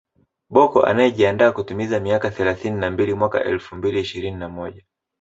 Bocco anayejiandaa kutimiza miaka thelathini na mbili mwaka elfu mbili na ishirini na moja